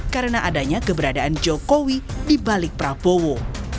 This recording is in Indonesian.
karena adanya keberadaan jokowi dibalik prabowo